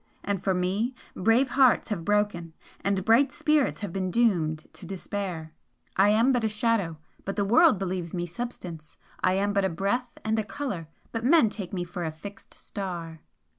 and for me brave hearts have broken, and bright spirits have been doomed to despair! I am but a Shadow but the world believes me Substance I am but a breath and a colour, but men take me for a fixed Star!"